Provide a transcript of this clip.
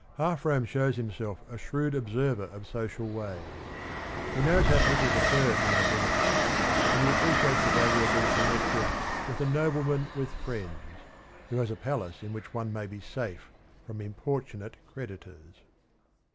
Half Rome shows himself a shrewd observer of social ways. He knows how people defer to nobility, and he appreciates the value of being connected with "a nobleman with friends," who has a palace in which one may be safe from importunate creditors.